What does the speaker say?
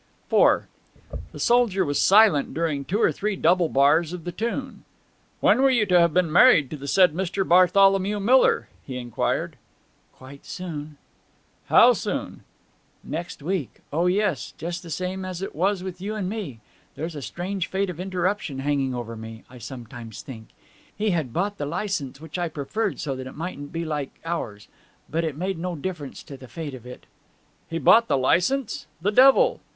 IV The soldier was silent during two or three double bars of the tune. 'When were you to have been married to the said Mr. Bartholomew Miller?' he inquired. 'Quite soon.' 'How soon?' 'Next week O yes just the same as it was with you and me. There's a strange fate of interruption hanging over me, I sometimes think! He had bought the licence, which I preferred so that it mightn't be like ours. But it made no difference to the fate of it.' 'Had bought the licence! The devil!'